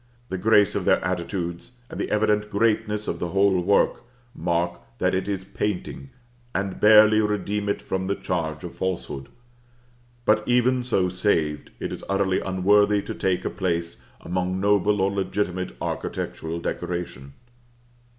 The grace of their attitudes, and the evident greatness of the whole work, mark that it is painting, and barely redeem it from the charge of falsehood; but even so saved, it is utterly unworthy to take a place among noble or legitimate architectural decoration.